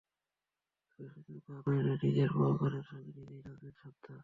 তবে শুধু গানই নয়, নিজের গাওয়া গানের সঙ্গে নিজেই নাচবেন শ্রদ্ধা।